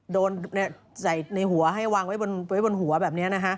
โดนใส่ในหัวให้วางไว้บนหัวแบบนี้นะฮะ